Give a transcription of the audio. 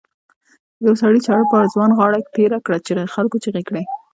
یوه سړي چاړه پر ځوان غاړه تېره کړه خلکو چیغې کړې.